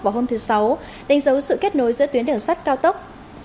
vào hôm thứ sáu đánh dấu sự kết nối giữa tuyến đường sắt cao tốc